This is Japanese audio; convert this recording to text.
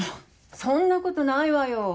そんなことないわよ